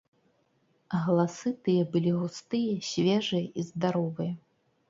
Галасы тыя былі густыя, свежыя і здаровыя.